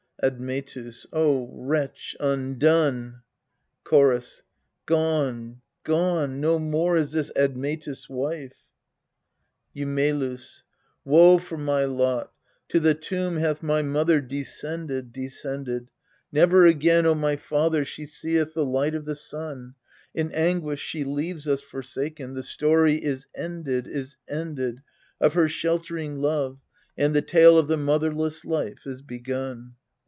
Admetus. O wretch undone ! Chorus. Gone gone ! No more is this Admetus' wife ! Eumelns. Woe for my lot ! to the tomb hath my mother descended, descended ! Never again, O my father, she seeth the light of the sun ! In anguish she leaves us forsaken : the story is ended, is ended, Of her sheltering love, and the tale of the motherless life is begun.